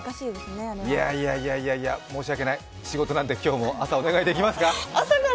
申し訳ない、仕事なんで今日も朝お願いできますか。